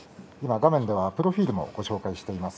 画面ではプロフィールもご紹介しています。